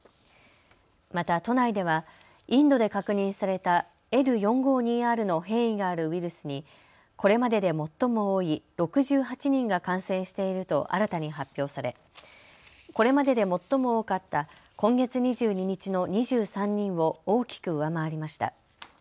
また都内ではインドで確認されたＬ４５２Ｒの変異があるウイルスにこれまでで最も多い６８人が感染していると新たに発表されこれまでで最も多かった今月２２日の２３人を大きく上回りました。